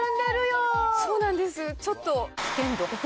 そうなんですちょっと。